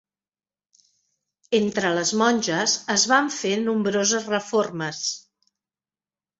Entre les monges es van fer nombroses reformes.